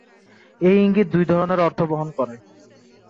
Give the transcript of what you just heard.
এই ইঙ্গিত দুই ধরনের অর্থ বহন করে।